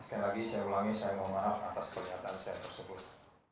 sekali lagi saya ulangi saya mohon maaf atas pernyataan saya tersebut